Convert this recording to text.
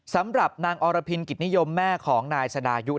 สำหรับนางอรพินกิจนิยมแม่ของนายสดายุ